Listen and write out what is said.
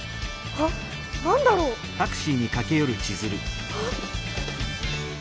あっ何だろう？あっ。